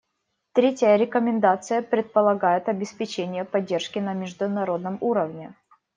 Третья рекомендация предполагает обеспечение поддержки на международном уровне.